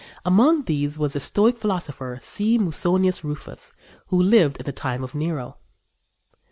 Among these was the Stoic philosopher, C. Musonius Rufus, who lived in the time of Nero.